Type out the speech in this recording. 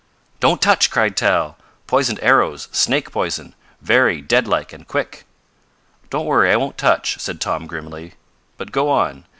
"Don't touch!" cried Tal. "Poisoned arrows snake poison very dead like and quick." "Don't worry, I won't touch," said Tom grimly. "But go on.